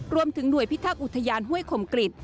รวมถึงหน่วยพิทักษ์อุทยานห้วยคมกริจ